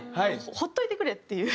ほっといてくれっていう。